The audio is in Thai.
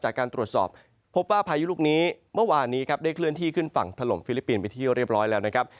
จากการตรวจสอบพบว่าพายุลูกนี้เมื่อวานนี้ครับได้เคลื่อนที่ขึ้นฝั่งถล่มฟิลิปปินส์ไปที่เรียบร้อยแล้วนะครับ